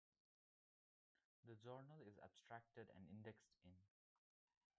The journal is abstracted and indexed in